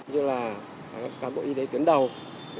như là cán bộ y tế tiêm nhắc lại mũi ba